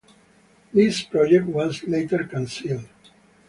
This project was later canceled.